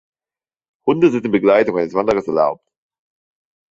Hunde sind in Begleitung eines Wanderers erlaubt.